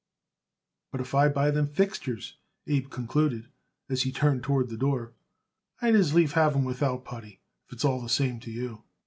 "But if I buy it them fixtures," Abe concluded, as he turned toward the door, "I'd as lief have 'em without putty, if it's all the same to you."